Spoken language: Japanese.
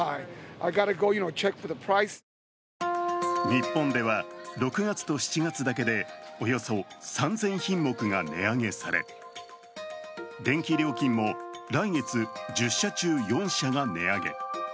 日本では６月と７月だけで、およそ３０００品目が値上げされ、電気料金も来月、１０社中４社が値上げ。